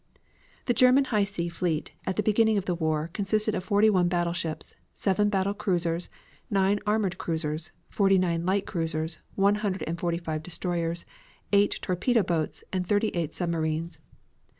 The German High Sea Fleet, at the beginning of the war, consisted of forty one battleships, seven battle cruisers, nine armored cruisers, forty nine light cruisers, one hundred and forty five destroyers, eighty torpedo boats, and thirty eight submarines.